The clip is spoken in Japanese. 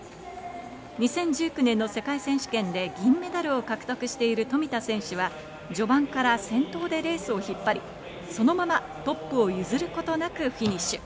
２０１９年の世界選手権で銀メダルを獲得している富田選手は序盤から先頭でレースを引っ張りそのままトップを譲ることなくフィニッシュ。